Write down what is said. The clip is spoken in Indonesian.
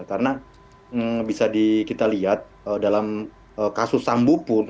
karena bisa kita lihat dalam kasus sambo pun